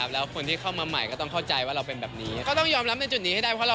อ๋อเล่นทุกวันมันก็จะดูเพลินดีเนอะ